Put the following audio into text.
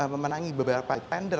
memenangi beberapa tender